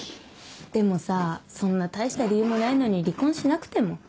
でもさそんな大した理由もないのに離婚しなくても。